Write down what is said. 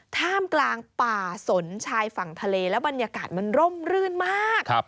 ท่ามกลางป่าสนชายฝั่งทะเลแล้วบรรยากาศมันร่มรื่นมาก